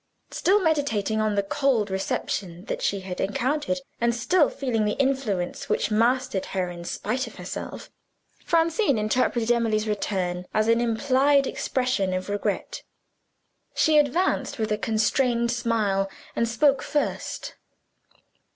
Still meditating on the cold reception that she had encountered, and still feeling the influence which mastered her in spite of herself, Francine interpreted Emily's return as an implied expression of regret. She advanced with a constrained smile, and spoke first.